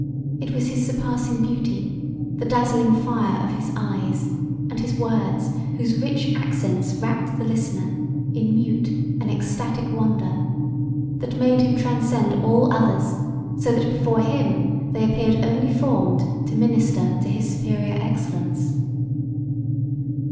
It was his surpassing beauty, the dazzling fire of his eyes, and his words whose rich accents wrapt the listener in mute and extactic wonder, that made him transcend all others so that before him they appeared only formed to minister to his superior excellence.